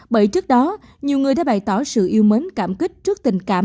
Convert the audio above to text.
bởi trước đó nhiều người đã bày tỏ sự yêu mến cảm kích trước tình cảm